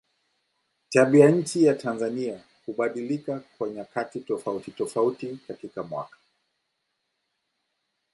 Tabianchi ya Tanzania hubadilika kwa nyakati tofautitofauti katika mwaka.